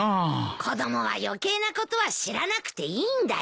子供は余計なことは知らなくていいんだよ。